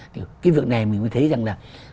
cái việc này mình mới thấy rằng là